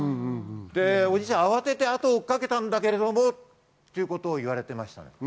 おじいちゃんは慌てて後を追いかけたんだけどということを言われていました。